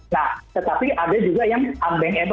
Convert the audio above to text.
nah tetapi ada juga yang unbankable